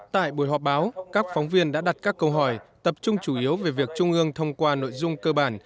tại buổi họp báo các phóng viên đã đặt các câu hỏi tập trung chủ yếu về việc trung ương thông qua nội dung cơ bản